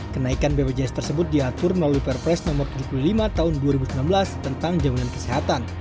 kenaikan bpjs tersebut diatur melalui perpres no tujuh puluh lima tahun dua ribu sembilan belas tentang jaminan kesehatan